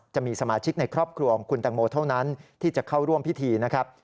จะมีสมาชิกในครอบครัวของคุณตังโมเท่านั้นที่จะเข้าร่วมพิธีนะครับ